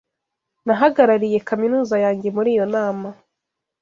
Nahagarariye kaminuza yanjye muri iyo nama.